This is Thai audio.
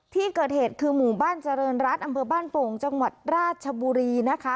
ที่เกิดเหตุคือหมู่บ้านเจริญรัฐอำเภอบ้านโป่งจังหวัดราชบุรีนะคะ